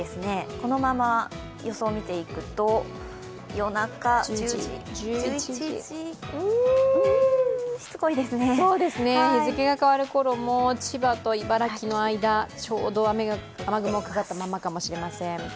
このまま予想を見ていくと、夜中１０時、１１時日付が変わるころも千葉と茨城の間、雨雲がかかったまんまかもしれません。